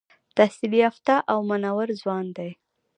تحصیل یافته او منور ځوان دی.